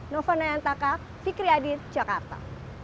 novo niantaka fikri adil jakarta